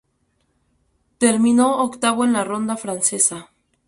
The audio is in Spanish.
Terminó octavo en la ronda francesa.